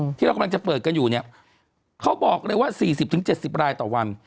ที่เรากำลังจะเปิดกันอยู่เนี่ยเขาบอกเลยว่า๔๐๗๐รายต่อวัน